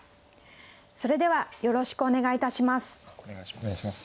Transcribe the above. それではよろしくお願いいたします。